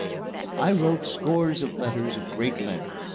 I wrote scores of letters of great length.